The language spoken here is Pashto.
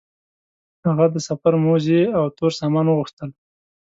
هغه د سفر موزې او تور سامان وغوښتل.